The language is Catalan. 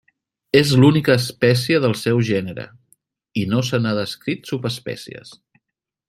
És l'única espècie del seu gènere, i no se n'han descrit subespècies.